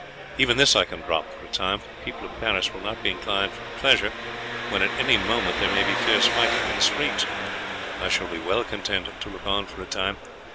Even this I can drop for a time, for the people of Paris will not be inclined for pleasure when at any moment there may be fierce fighting in the streets. I shall be well content to look on for a time.